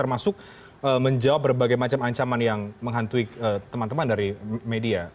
termasuk menjawab berbagai macam ancaman yang menghantui teman teman dari media